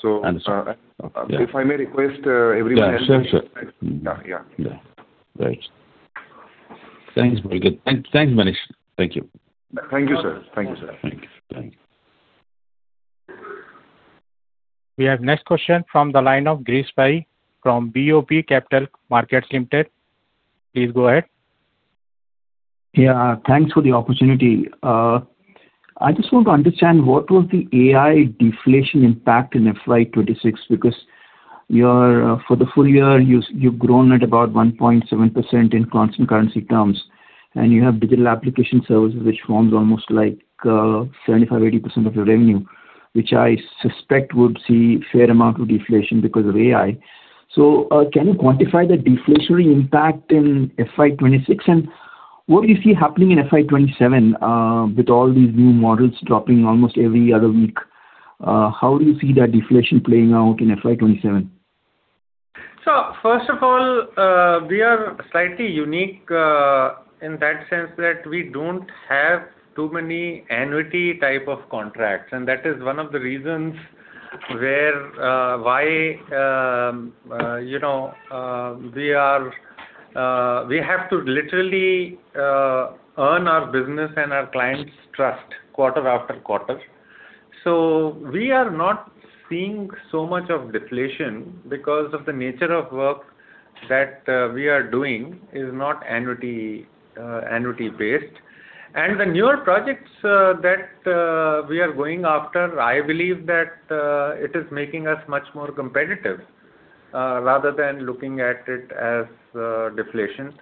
So- Understand. If I may request everyone. Yeah, sure. Yeah. Right. Thanks. Very good. Thanks, Manish. Thank you. Thank you, sir. Thanks. We have next question from the line of Girish Pai from BOB Capital Markets Limited. Please go ahead. Yeah. Thanks for the opportunity. I just want to understand what was the AI deflation impact in FY 2026, because for the full year, you've grown at about 1.7% in constant currency terms, and you have digital application services, which forms almost like 75%-80% of the revenue, which I suspect would see fair amount of deflation because of AI. Can you quantify the deflationary impact in FY 2026, and what do you see happening in FY 2027, with all these new models dropping almost every other week? How do you see that deflation playing out in FY 2027? First of all, we are slightly unique in that sense that we don't have too many annuity type of contracts, and that is one of the reasons why we have to literally earn our business and our clients' trust quarter-after-quarter. We are not seeing so much of deflation because of the nature of work that we are doing is not annuity-based. The newer projects that we are going after, I believe that it is making us much more competitive rather than looking at it as deflation.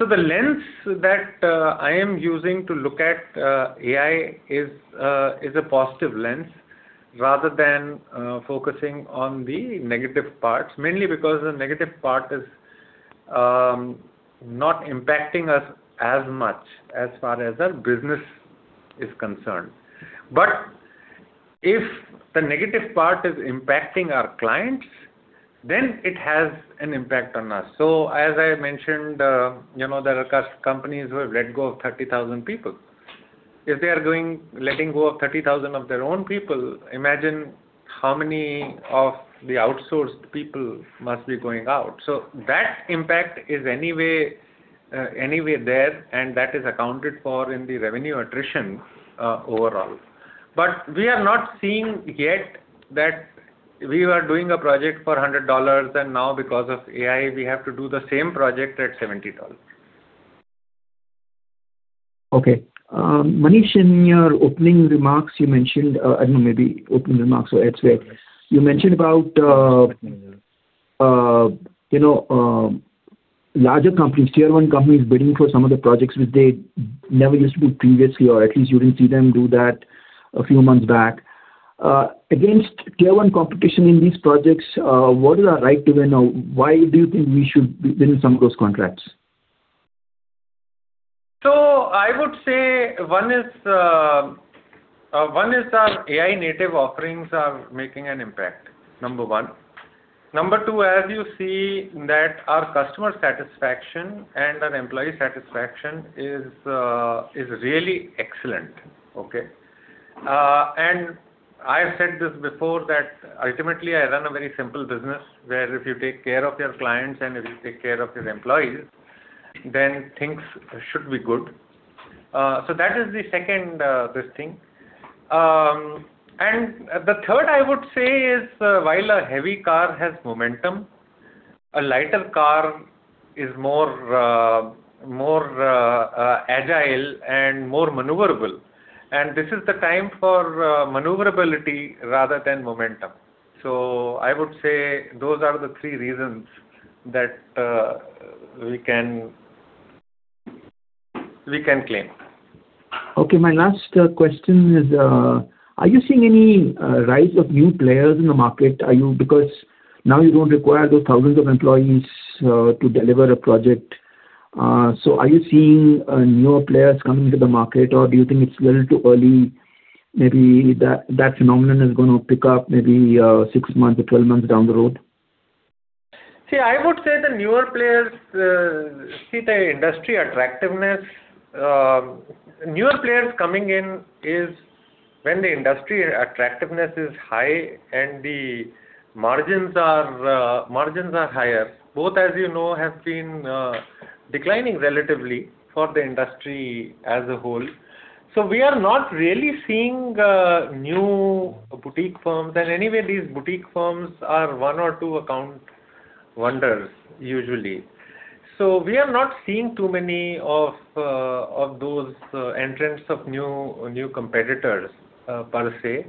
The lens that I am using to look at AI is a positive lens rather than focusing on the negative parts, mainly because the negative part is not impacting us as much as far as our business is concerned. If the negative part is impacting our clients then it has an impact on us. As I mentioned, there are companies who have let go of 30,000 people. If they are letting go of 30,000 of their own people, imagine how many of the outsourced people must be going out. That impact is anyway there, and that is accounted for in the revenue attrition overall. We are not seeing yet that we were doing a project for $100, and now because of AI, we have to do the same project at $70. Okay. Manish, in your opening remarks, you mentioned, I don't know, maybe opening remarks or elsewhere, you mentioned about larger companies, Tier 1 companies bidding for some of the projects which they never used to do previously, or at least you didn't see them do that a few months back. Against Tier 1 competition in these projects, what is our right to win? Why do you think we should win some of those contracts? I would say one is our AI native offerings are making an impact, number one. Number two, as you see that our customer satisfaction and our employee satisfaction is really excellent. Okay. I've said this before, that ultimately I run a very simple business where if you take care of your clients and if you take care of your employees, then things should be good. That is the second thing. The third, I would say is, while a heavy car has momentum, a lighter car is more agile and more maneuverable. This is the time for maneuverability rather than momentum. I would say those are the three reasons that we can claim. Okay. My last question is, are you seeing any rise of new players in the market? Because now you don't require those thousands of employees to deliver a project. Are you seeing newer players coming to the market or do you think it's a little too early, maybe that phenomenon is going to pick up maybe six months or 12 months down the road? See, I would say the newer players, see the industry attractiveness. Newer players coming in is when the industry attractiveness is high and the margins are higher. Both, as you know, have been declining relatively for the industry as a whole. We are not really seeing new boutique firms. Anyway, these boutique firms are one or two account wonders usually. We have not seen too many of those entrants of new competitors per se,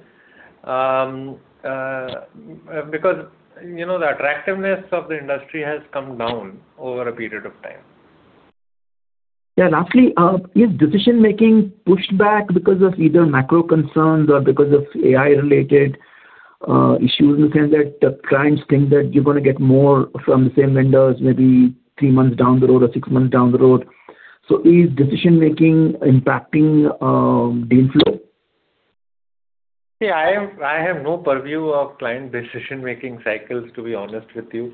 because the attractiveness of the industry has come down over a period of time. Yeah. Lastly, is decision-making pushed back because of either macro concerns or because of AI-related issues, in the sense that the clients think that you're going to get more from the same vendors maybe three months down the road or six months down the road. Is decision-making impacting deal flow? See, I have no purview of client decision-making cycles, to be honest with you.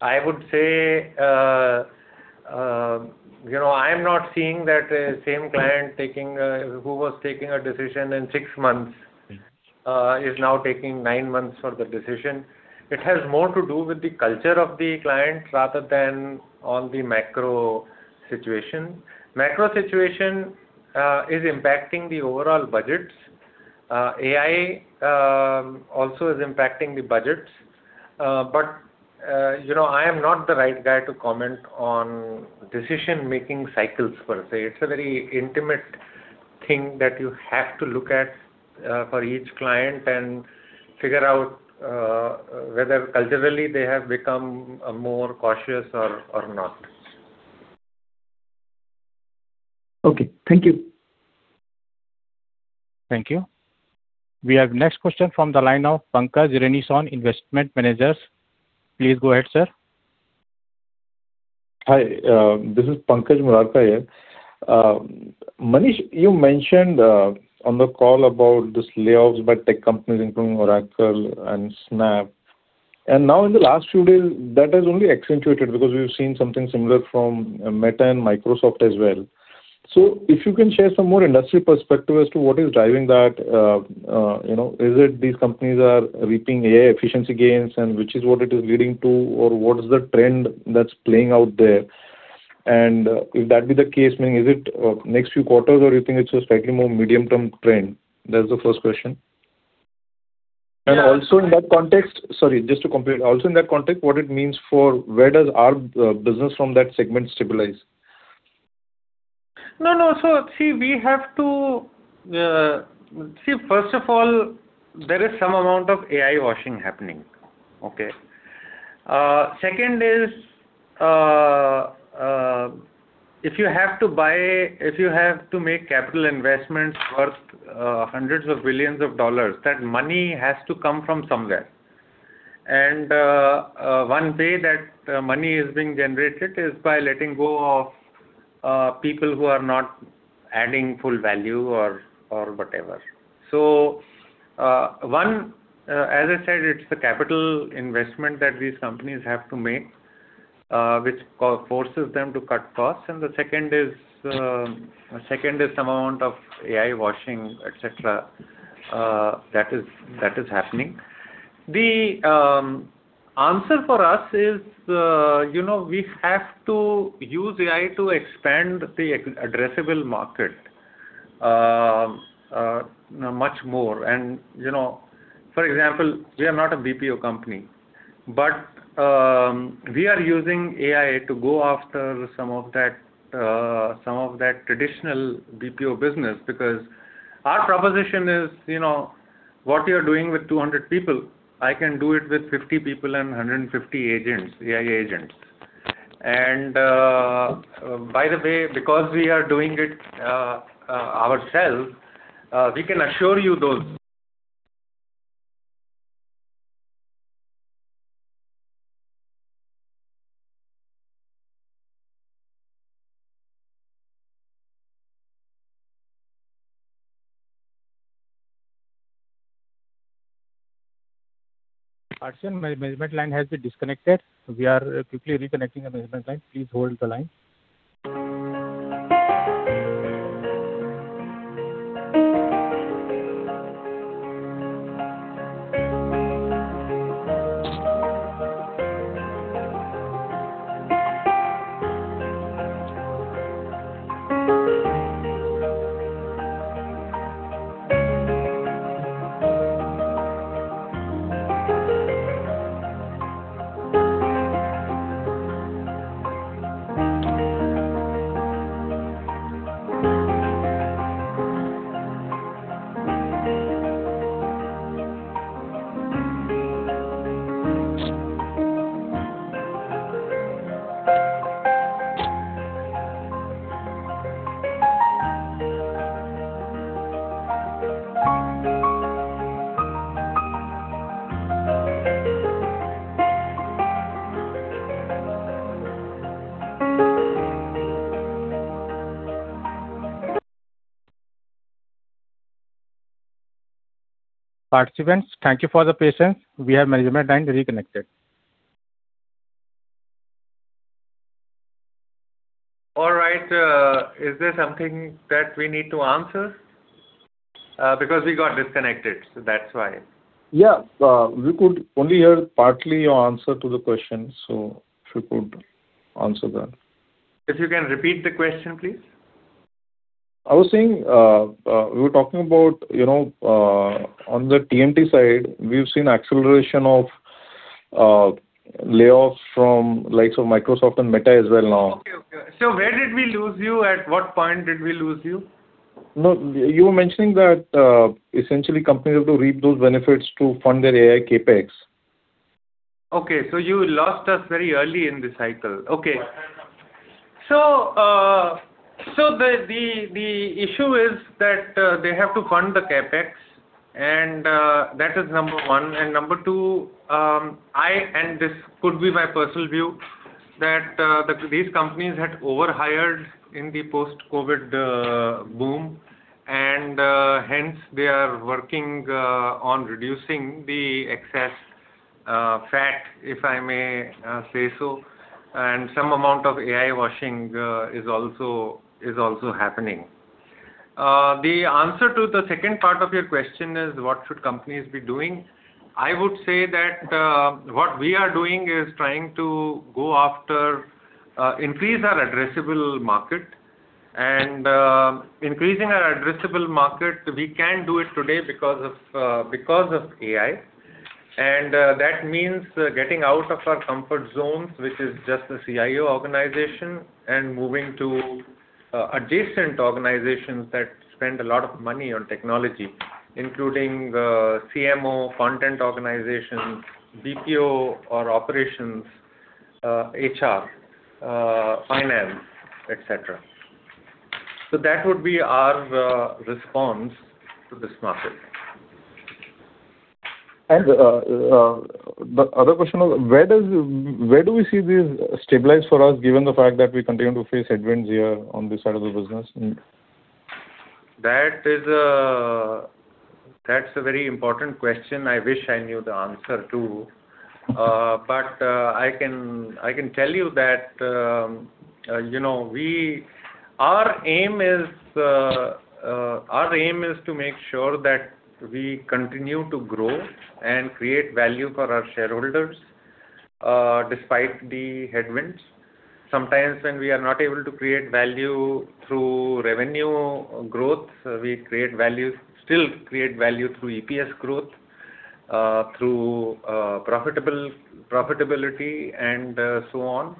I would say, I'm not seeing that same client who was taking a decision in six months is now taking nine months for the decision. It has more to do with the culture of the client rather than on the macro situation. Macro situation is impacting the overall budgets. AI also is impacting the budgets. I am not the right guy to comment on decision-making cycles per se. It's a very intimate thing that you have to look at for each client and figure out whether culturally they have become more cautious or not. Okay. Thank you. Thank you. We have next question from the line of Pankaj Renison, Investment Managers. Please go ahead, sir. Hi. This is Pankaj Renison. Manish, you mentioned on the call about these layoffs by tech companies including Oracle and Snap. Now in the last few days that has only accentuated because we've seen something similar from Meta and Microsoft as well. If you can share some more industry perspective as to what is driving that. Is it these companies are reaping AI efficiency gains and which is what it is leading to or what is the trend that's playing out there? If that be the case, meaning is it next few quarters or you think it's a slightly more medium-term trend? That's the first question. Also in that context, sorry, just to complete. Also in that context, what it means for where does our business from that segment stabilize? No. See, first of all, there is some amount of AI washing happening. Okay. Second is, if you have to make capital investments worth hundreds of billions of dollars, that money has to come from somewhere. One way that money is being generated is by letting go of people who are not adding full value or whatever. As I said, it's the capital investment that these companies have to make, which forces them to cut costs. The second is the amount of AI washing, et cetera, that is happening. The answer for us is, we have to use AI to expand the addressable market much more. For example, we are not a BPO company, but we are using AI to go after some of that traditional BPO business because. Our proposition is what you're doing with 200 people, I can do it with 50 people and 150 agents, AI agents. By the way, because we are doing it ourselves we can assure you those. Arshan, my management line has been disconnected. We are quickly reconnecting the management line. Please hold the line. Participants, thank you for the patience. We have management line reconnected. All right. Is there something that we need to answer? Because we got disconnected, so that's why. Yeah. We could only hear partly your answer to the question, so if you could answer that. If you can repeat the question, please. I was saying, we were talking about on the TMT side, we've seen acceleration of layoffs from likes of Microsoft and Meta as well now. Okay. Where did we lose you? At what point did we lose you? No. You were mentioning that essentially companies have to reap those benefits to fund their AI CapEx. Okay. You lost us very early in this cycle. Okay. The issue is that they have to fund the CapEx, and that is number one. Number two, I, and this could be my personal view, that these companies had overhired in the post-COVID boom, and hence they are working on reducing the excess fat, if I may say so, and some amount of AI washing is also happening. The answer to the second part of your question is what should companies be doing? I would say that what we are doing is trying to increase our addressable market. Increasing our addressable market we can do it today because of AI. That means getting out of our comfort zones, which is just the CIO organization, and moving to adjacent organizations that spend a lot of money on technology, including CMO, content organizations, BPO or operations, HR, finance, etc. That would be our response to this market. The other question was, where do we see this stabilize for us, given the fact that we continue to face headwinds here on this side of the business? That's a very important question I wish I knew the answer to. I can tell you that our aim is to make sure that we continue to grow and create value for our shareholders despite the headwinds. Sometimes when we are not able to create value through revenue growth, we still create value through EPS growth, through profitability and so on.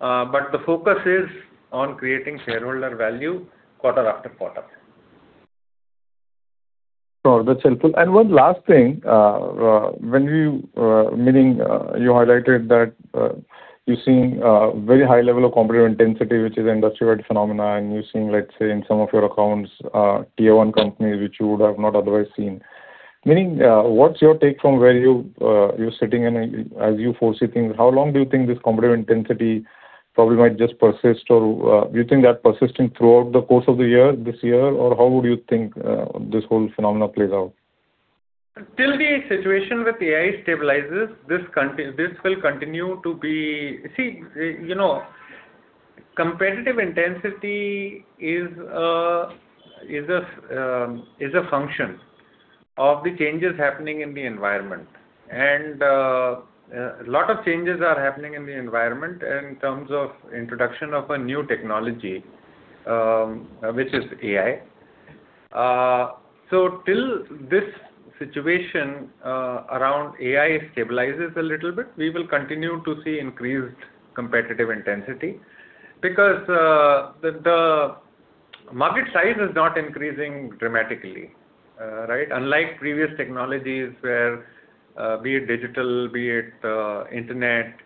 The focus is on creating shareholder value quarter-after-quarter. No, that's helpful. One last thing. You highlighted that you're seeing a very high level of competitive intensity, which is industrial phenomena, and you're seeing, let's say, in some of your accounts, Tier 1 companies which you would have not otherwise seen. Meaning, what's your take from where you're sitting and as you're foreseeing, how long do you think this competitive intensity probably might just persist? Or do you think that persisting throughout the course of the year, this year, or how would you think this whole phenomena plays out? Till the situation with AI stabilizes, this will continue to be. See, competitive intensity is a function of the changes happening in the environment. A lot of changes are happening in the environment in terms of introduction of a new technology, which is AI. Till this situation around AI stabilizes a little bit, we will continue to see increased competitive intensity because the market size is not increasing dramatically, right? Unlike previous technologies where, be it digital, be it internet,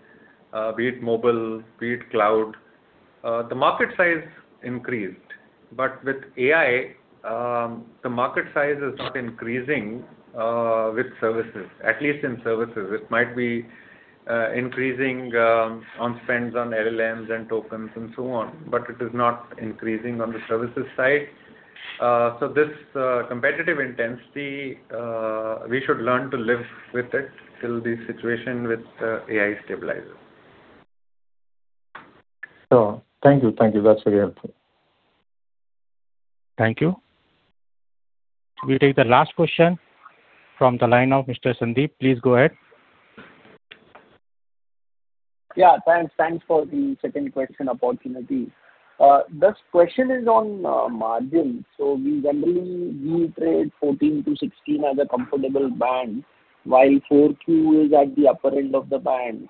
be it mobile, be it cloud, the market size increased. With AI, the market size is not increasing with services, at least in services. It might be increasing on spends on LLMs and tokens and so on, but it is not increasing on the services side. This competitive intensity, we should learn to live with it till the situation with AI stabilizes. Sure. Thank you. That's very helpful. Thank you. We take the last question from the line of Mr. Sandeep. Please go ahead. Yeah. Thanks for the second question opportunity. This question is on margin. We generally do trade 14%-16% as a comfortable band, while 4Q is at the upper end of the band.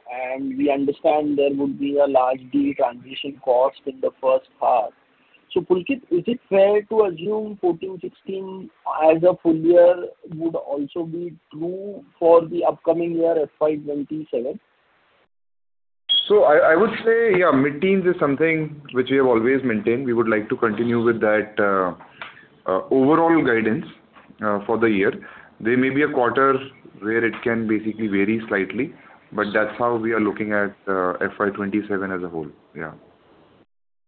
We understand there would be a large deal transition cost in the first half. Pulkit, is it fair to assume 14%-16% as a full year would also be true for the upcoming year FY 2027? I would say, yeah, mid-teens is something which we have always maintained. We would like to continue with that overall guidance for the year. There may be a quarter where it can basically vary slightly, but that's how we are looking at FY 2027 as a whole. Yeah.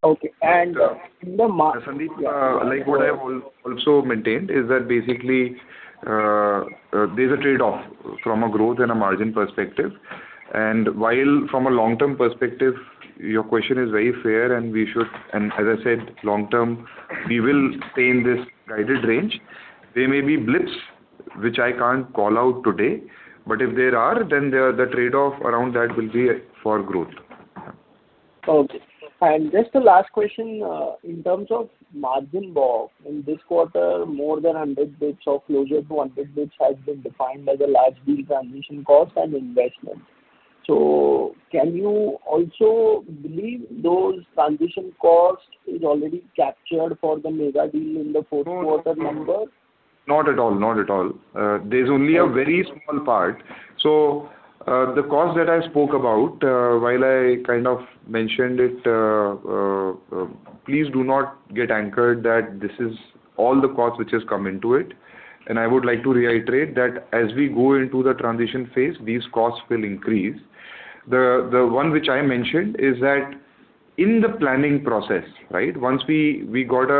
Okay. Sandeep, like what I've also maintained is that basically, there's a trade-off from a growth and a margin perspective. While from a long-term perspective, your question is very fair, and as I said, long-term, we will stay in this guided range. There may be blips which I can't call out today, but if there are, then the trade-off around that will be for growth. Okay. Just the last question, in terms of margin, Bob, in this quarter, more than 100 basis points or closer to 100 basis points has been defined as a large deal transition cost and investment. Can you also believe those transition cost is already captured for the mega deal in the fourth quarter number? Not at all. There's only a very small part. The cost that I spoke about, while I kind of mentioned it, please do not get anchored that this is all the cost which has come into it. I would like to reiterate that as we go into the transition phase, these costs will increase. The one which I mentioned is that in the planning process, right, once we got,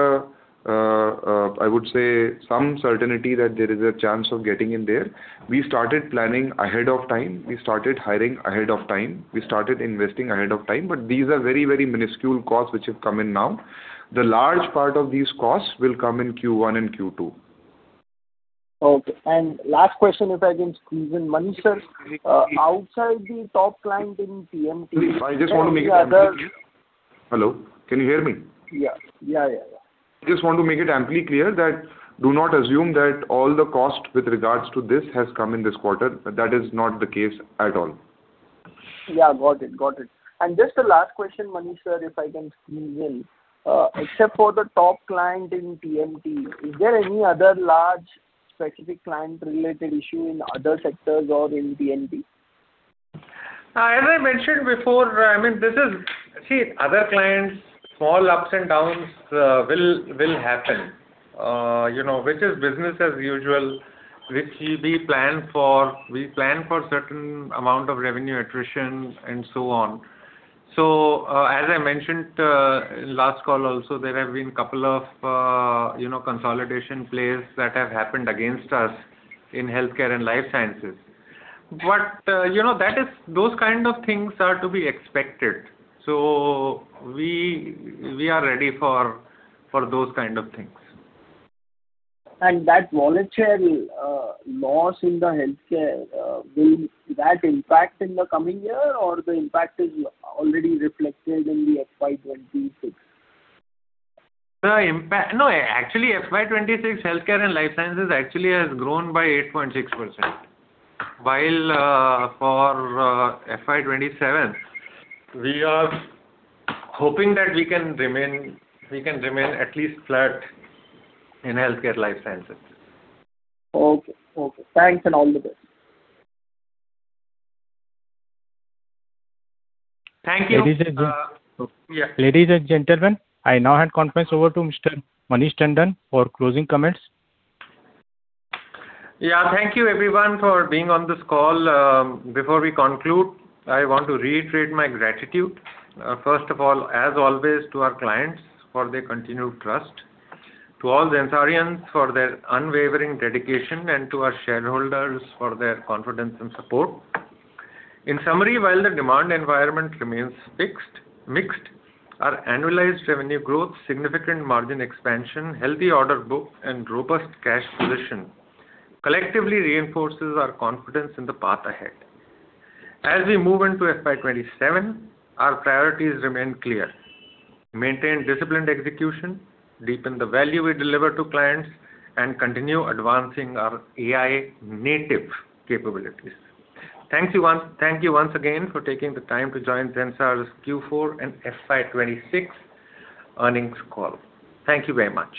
I would say, some certainty that there is a chance of getting in there, we started planning ahead of time. We started hiring ahead of time. We started investing ahead of time. These are very minuscule costs which have come in now. The large part of these costs will come in Q1 and Q2. Okay. Last question, if I can squeeze in. Manish, sir- Can I quickly- ...outside the top client in TMT. Please, I just want to make it amply clear. Hello, can you hear me? Yeah. Just want to make it amply clear that do not assume that all the cost with regards to this has come in this quarter. That is not the case at all. Yeah. Got it. Just the last question, Manish, sir, if I can squeeze in. Except for the top client in TMT, is there any other large specific client-related issue in other sectors or in PNB? As I mentioned before, see, other clients, small ups and downs will happen. Which is business as usual, which we plan for certain amount of revenue attrition and so on. As I mentioned in last call also, there have been couple of consolidation plays that have happened against us in Healthcare and Life Sciences. Those kind of things are to be expected. We are ready for those kind of things. That voluntary loss in the Healthcare, will that impact in the coming year or the impact is already reflected in the FY 2026? No, actually FY 2026 Healthcare and Life Sciences actually has grown by 8.6%. While for FY 2027, we are hoping that we can remain at least flat in Healthcare Life Sciences. Okay. Thanks and all the best. Thank you. Ladies and gentlemen, I now hand the conference over to Mr. Manish Tandon for closing comments. Yeah. Thank you everyone for being on this call. Before we conclude, I want to reiterate my gratitude. First of all, as always, to our clients for their continued trust, to all Zensarians for their unwavering dedication, and to our shareholders for their confidence and support. In summary, while the demand environment remains mixed, our annualized revenue growth, significant margin expansion, healthy order book, and robust cash position collectively reinforces our confidence in the path ahead. As we move into FY 2027, our priorities remain clear, maintain disciplined execution, deepen the value we deliver to clients, and continue advancing our AI-native capabilities. Thank you once again for taking the time to join Zensar's Q4 and FY 2026 earnings call. Thank you very much.